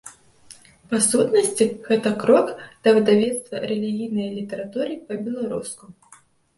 Па сутнасці, гэта крок да выдавецтва рэлігійнай літаратуры па-беларуску.